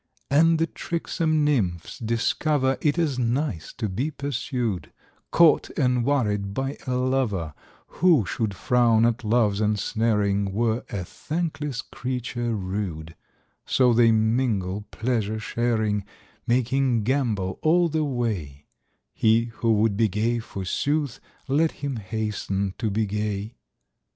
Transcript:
72 And the tricksome nymphs discover It is nice to be pursued, Caught and worried by a lover ; Who should frown at Love's ensnaring Were a thankless creature rude ; So they mingle, pleasure sharing, Making gambol all the way : He who would be gay, forsooth. Let him hasten to be gay.